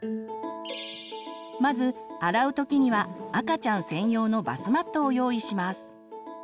まず洗う時には赤ちゃん専用のバスマットを用意します。